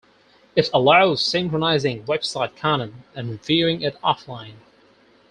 It allowed synchronizing website content and viewing it offline.